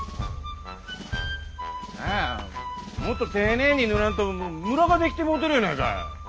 何やもっと丁寧に塗らんとムラが出来てもうてるやないか。